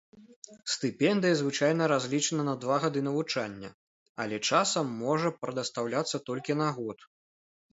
Стыпендыя звычайна разлічана на два гады навучання, але часам можа прадастаўляцца толькі на год.